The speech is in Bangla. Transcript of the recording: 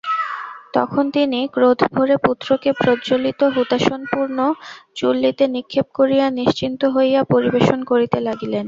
তখন তিনি ক্রোধভরে পুত্রকে প্রজ্বলিতহুতাশনপূর্ণ চুল্লীতে নিক্ষেপ করিয়া নিশ্চিন্ত হইয়া পরিবেশন করিতে লাগিলেন।